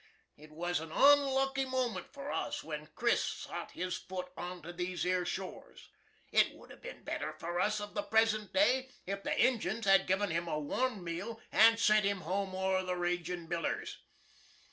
It was a onlucky moment for us when CHRIS. sot his foot onto these 'ere shores. It would have been better for us of the present day if the injins had given him a warm meal and sent him home ore the ragin' billers.